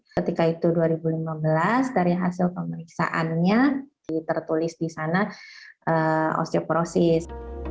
ketika itu dua ribu lima belas dari hasil pemeriksaannya tertulis di sana osteoporosis